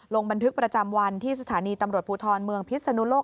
ลงบันทึกประจำวันที่สถานีตำรวจภูทรเมืองพิศนุโลก